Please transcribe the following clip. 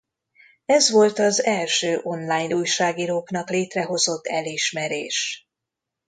Ez volt az első online újságíróknak létrehozott elismerés.